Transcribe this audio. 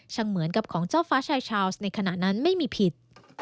เหมือนกับของเจ้าฟ้าชายชาวส์ในขณะนั้นไม่มีผิด